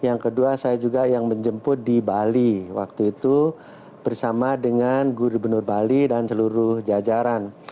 yang kedua saya juga yang menjemput di bali waktu itu bersama dengan guru benur bali dan seluruh jajaran